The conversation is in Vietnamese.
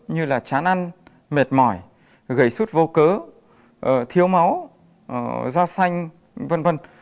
như là chán ăn mệt mỏi gầy sút vô cớ thiếu máu da xanh v v